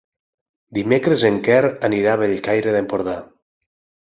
Dimecres en Quer anirà a Bellcaire d'Empordà.